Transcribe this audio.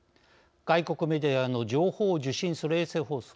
外国メディアの情報を受信する衛星放送。